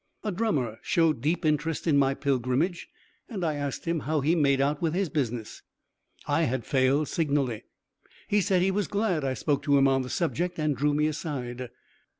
A drummer showed deep interest in my pilgrimage, and I asked him how he made out with his business. I had failed signally. He said he was glad I spoke to him on the subject, and drew me aside.